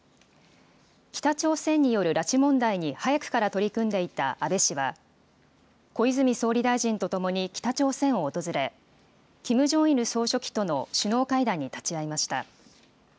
北朝鮮による拉致問題に早くから取り組んでいた安倍氏は、小泉総理大臣と共に北朝鮮を訪れ、キム・ジョンイル総書記との首脳会談に立ち会いました。